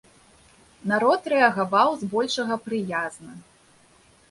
Народ рэагаваў збольшага прыязна.